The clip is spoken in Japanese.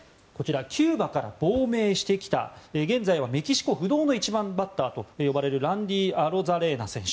キューバから亡命してきた現在はメキシコ不動の１番打者と呼ばれるランディ・アロザレーナ選手。